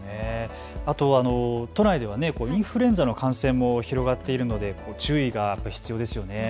あと都内ではインフルエンザの感染も広がっているので注意が必要ですよね。